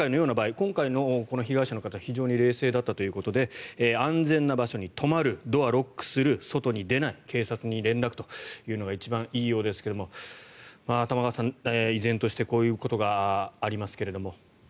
今回のこの被害者の方非常に冷静だったということで安全な場所に止まるドアをロックする、外に出ない警察に連絡というのが一番いいようですが、玉川さん依然としてこういうことがありますけれども。